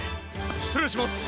しつれいします！